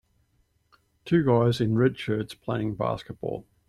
two guys in red shirts playing basketball